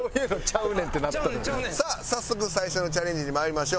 さあ早速最初のチャレンジに参りましょう。